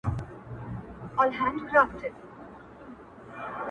وبېرېدم؛